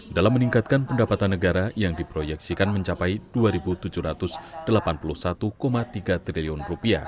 dalam meningkatkan pendapatan negara yang diproyeksikan mencapai rp dua tujuh ratus delapan puluh satu tiga triliun